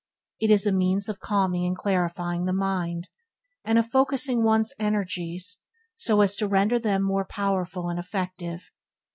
It is a means of calming and clarifying the mind, and of focussing one's energies so as to render them more powerful and effective.